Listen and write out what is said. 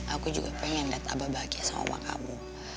aku juga ingin lihat abah bahagia sama omak kamu